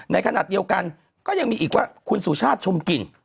ในขณะเดียวกันก็ยังมีอีกว่าคุณสุชาติชมกลิ่น